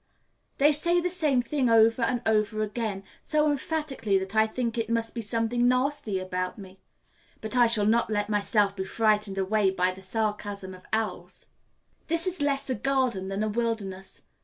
They say the same thing over and over again so emphatically that I think it must be something nasty about me; but I shall not let myself be frightened away by the sarcasm of owls. This is less a garden than a wilderness.